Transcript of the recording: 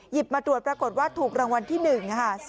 มาตรวจปรากฏว่าถูกรางวัลที่๑ค่ะ